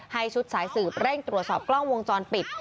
ชุดสายสืบเร่งตรวจสอบกล้องวงจรปิด